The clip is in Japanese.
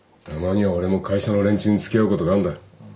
たまには俺も会社の連中に付き合うことがあんだ。